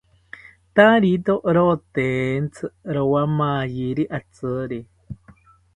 Tarito rotentsi rowamayiri atziri